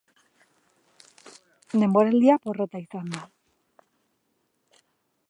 Denboraldia porrota izan da.